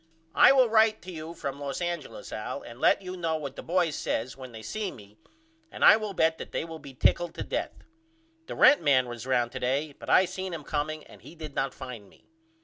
I will write to you from Los Angeles Al and let you know what the boys says when they see me and I will bet that they will be tickled to death. The rent man was round to day but I seen him comeing and he did not find me.